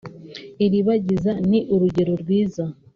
Ilibagiza ni urugero rwiza